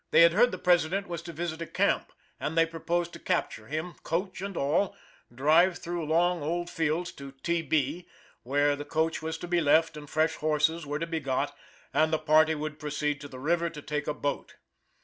They had heard the President was to visit a camp, and they proposed to capture him, coach and all, drive through long old fields to "T. B.," where the coach was to be left and fresh horses were to be got, and the party would proceed to the river to take a boat.